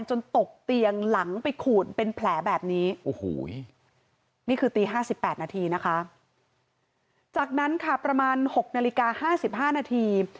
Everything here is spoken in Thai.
ตกเตียงหลังไปขูดเป็นแผลแบบนี้โอ้โหนี่คือตี๕๘นาทีนะคะจากนั้นค่ะประมาณ๖นาฬิกา๕๕นาที